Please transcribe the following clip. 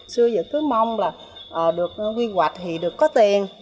xưa cứ mong là được quy hoạch thì được có tiền